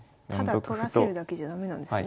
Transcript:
ただ取らせるだけじゃ駄目なんですね。